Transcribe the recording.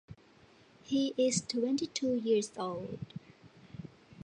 He is twenty-two years old.